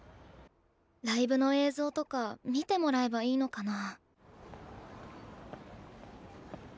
ライブの映像とか見てもらえばいいのかな。